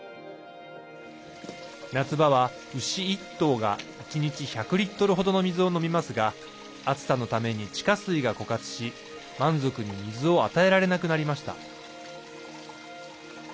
夏場は牛１頭が１日１００リットルほどの水を飲みますが暑さのために地下水が枯渇し満足に水を与えられなくなりました。